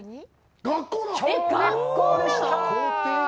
小学校でした！